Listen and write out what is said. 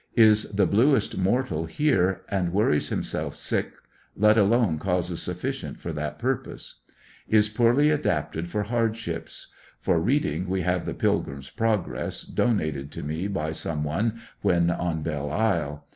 Is the bluest mortal here, and worries himself sick, let alone causes sufficient for that purpose. Is poorly adapted for hardships. For reading we have the "Pilgrim's Progress," donated to me by some one when on Belle Isle.